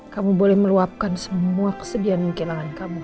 kamu boleh meluapkan semua kesedihan kehilangan kamu